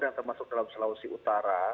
yang termasuk dalam sulawesi utara